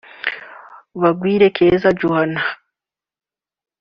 Bagwire Keza Joanah